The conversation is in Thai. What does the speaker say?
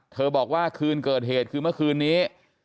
บอกว่าคืนเกิดเหตุคือเมื่อคืนนี้